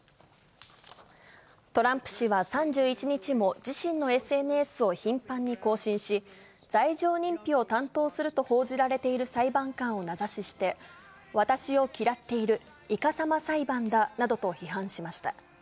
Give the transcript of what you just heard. トランプ氏は３１日も、自身のＳＮＳを頻繁に更新し、罪状認否を担当すると報じられている裁判官を名指しして、私を嫌っている、いかさま裁判だなどと批判しました。